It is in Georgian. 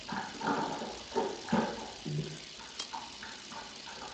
ნელსონი გუნდში კარგად თამაშობდა, მაგრამ იუტა ჯაზის განაცხადში მაინც ვერ მოხვდა.